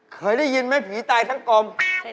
เคยได้ยินไหมผีตายทั้งกลม